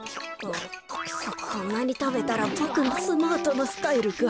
こんなにたべたらボクのスマートなスタイルが。